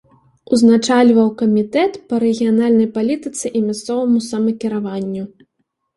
Узначальваў камітэт па рэгіянальнай палітыцы і мясцоваму самакіраванню.